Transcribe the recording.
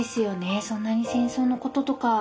そんなに戦争のこととか。